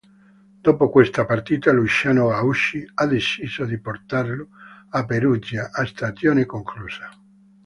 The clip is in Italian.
Dopo questa partita Luciano Gaucci ha deciso di portarlo a Perugia a stagione conclusa.